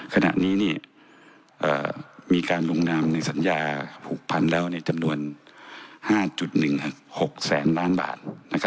ขณะนี้มีการลงนามในสัญญา๖๐๐๐แล้วในจำนวน๕๑๖แสนล้านบาท